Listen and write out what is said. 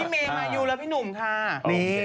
พี่เมย์มาอยู่แล้วพี่หนุ่มค่ะ